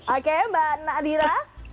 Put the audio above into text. oke mbak nadira